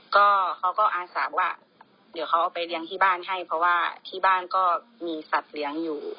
ก็เขาก็อาสาว่าเดี๋ยวเขาเอาไปเลี้ยงที่บ้านให้เพราะว่าที่บ้านก็มีสัตว์เลี้ยงอยู่